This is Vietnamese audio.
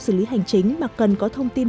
xử lý hành chính mà cần có thông tin